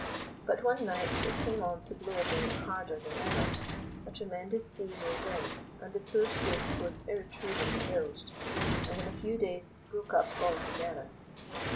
But one night it came on to blow again harder than ever; a tremendous sea rolled in, and the poor sloop was irretrievably bilged, and in a few days broke up altogether.